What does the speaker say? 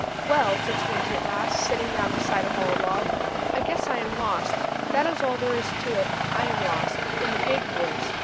"Well," said Squinty, at last, sitting down beside a hollow log, "I guess I am lost. That is all there is to it I am lost in the big woods!